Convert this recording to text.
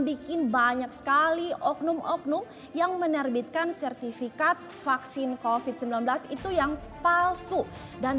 bikin banyak sekali oknum oknum yang menerbitkan sertifikat vaksin covid sembilan belas itu yang palsu dan